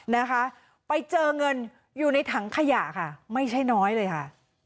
นะคะไปเจอเงินอยู่ในถังขยะค่ะไม่ใช่น้อยเลยค่ะ